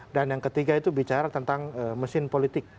dan yang ketiga itu bicara tentang mesin politik